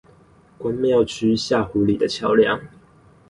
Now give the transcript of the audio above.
關廟區下湖里的橋梁